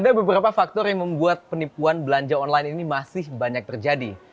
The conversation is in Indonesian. ada beberapa faktor yang membuat penipuan belanja online ini masih banyak terjadi